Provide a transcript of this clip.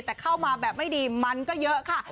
แต่เข้ามาแบบไม่ดีมันก็เยอะค่ะ